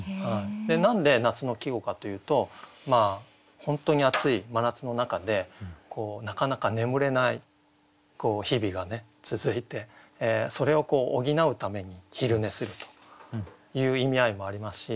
何で夏の季語かというと本当に暑い真夏の中でなかなか眠れない日々がね続いてそれを補うために昼寝するという意味合いもありますし。